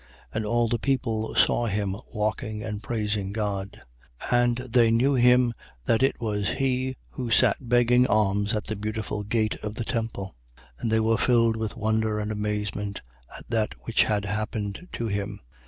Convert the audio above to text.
3:9. And all the people saw him walking and praising God. 3:10. And they knew him, that it was he who sat begging alms at the Beautiful gate of the temple: and they were filled with wonder and amazement at that which had happened to him.